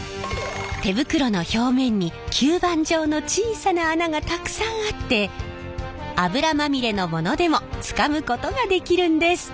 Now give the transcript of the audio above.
手袋の表面に吸盤状の小さな穴がたくさんあって油まみれのものでもつかむことができるんです！